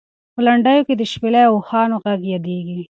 په لنډیو کې د شپېلۍ او اوښانو غږ یادېږي.